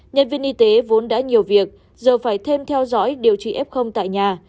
nhân viên y tế vốn đã nhiều việc giờ phải thêm theo dõi điều trị ép không tại nhà